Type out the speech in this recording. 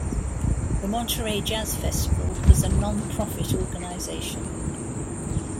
The Monterey Jazz Festival is a nonprofit organization.